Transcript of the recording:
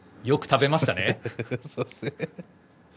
よく食べました。